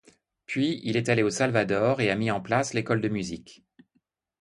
Puis il est allé au Salvador et a mis en place l'École de Musique.